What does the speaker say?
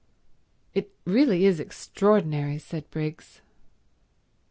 "It really is extraordinary," said Briggs.